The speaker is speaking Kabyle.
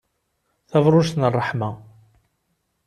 Tabṛujt n ṛṛeḥma.